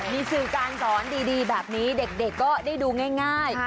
มีสื่อการสอนดีแบบนี้เด็กก็ได้ดูง่าย